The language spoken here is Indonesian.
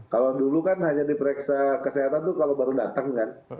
kalau dulu kan hanya diperiksa kesehatan itu kalau baru datang kan